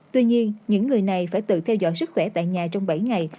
tuy nhiên những người này phải tự theo dõi sức khỏe tại nhà trong bảy ngày